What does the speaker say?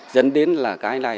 dẫn đến là cái này